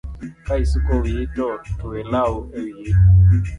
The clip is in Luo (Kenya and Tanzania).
Ka isuko wiyi to twe law ewiyi